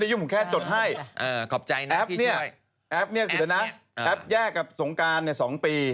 แอฟแยกกับสงการ๒ปี